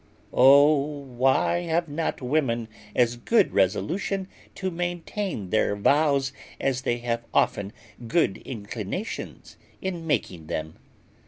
Oh, why have not women as good resolution to maintain their vows as they have often good inclinations in making them!